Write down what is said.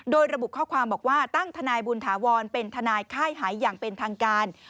โดยระบุข้อความบอกว่าตั้งทนายบุญถาวรเป็นทนายค่ายหายอย่างเป็นทางการ